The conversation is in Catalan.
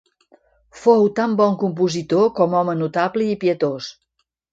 Fou tan bon compositor com home notable i pietós.